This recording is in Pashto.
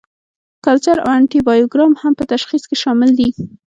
کلچر او انټي بایوګرام هم په تشخیص کې شامل دي.